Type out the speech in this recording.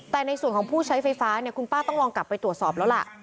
แต่ในส่วนของผู้ใช้ไฟฟ้าเนี่ยคุณป้าต้องลองกลับไปตรวจสอบแล้วล่ะ